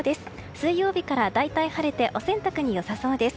水曜日から大体晴れてお洗濯に良さそうです。